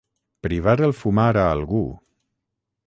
Privar el fumar a algú.